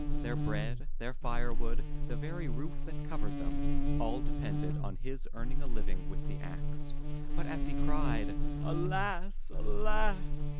Their bread, their firewood, the very roof that covered them, all depended on his earning a living with the axe. But as he cried, Alas! Alas!'